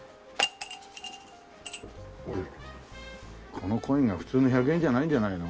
このコインが普通の１００円じゃないんじゃないの？